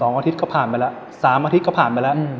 อาทิตย์ก็ผ่านไปแล้ว๓อาทิตย์ก็ผ่านไปแล้ว